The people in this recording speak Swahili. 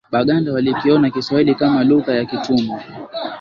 Baganda walikiona kiswahili kama lugha ya kitumwa